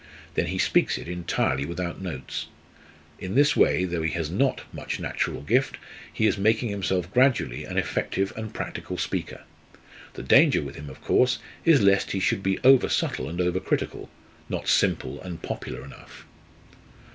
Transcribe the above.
Then he speaks it entirely without notes. In this way, though he has not much natural gift, he is making himself gradually an effective and practical speaker. The danger with him, of course, is lest he should be over subtle and over critical not simple and popular enough."